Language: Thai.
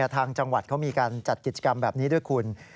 ทางจังหวัดเขามีการจัดกิจกรรมแบบนี้ด้วยคุณ